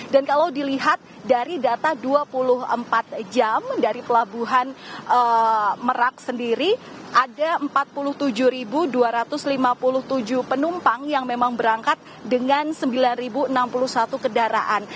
dan kalau dilihat dari data dua puluh empat jam dari pelabuhan merak sendiri ada empat puluh tujuh dua ratus lima puluh tujuh penumpang yang memang berangkat dengan sembilan enam puluh satu kendaraan